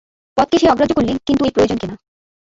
পদকে সে অগ্রাহ্য করলে, কিন্তু এই প্রয়োজনকে না।